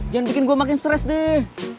jangan bikin gue makin stres deh